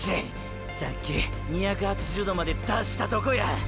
さっき２８０℃まで達したとこや。